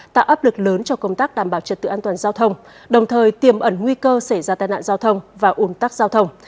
tạo áp lực lớn cho công tác đảm bảo trật tự an toàn giao thông đồng thời tiềm ẩn nguy cơ xảy ra tai nạn giao thông và ủn tắc giao thông